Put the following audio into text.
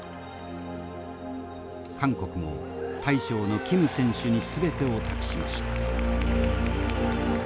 韓国も大将のキム選手に全てを託しました。